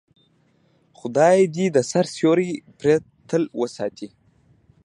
خدای دې د سر سیوری پرې تل وساتي.